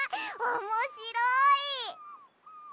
おもしろい！